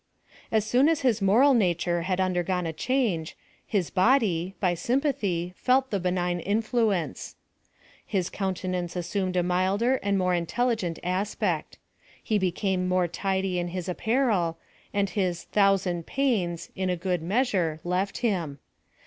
As soon us hi.s moral nature had undergone a change, his body, by sympathy felt the benign influence. Hip ^54 PHILOSOPHY OP THE countenance assumed a milder and more intellioent aspect. He became more tidy in his apparel, and his ' thousand pains/ in a good measure, left him.